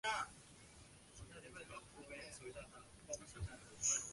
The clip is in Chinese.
化石发现于一个充满亚伯达龙的尸骨层。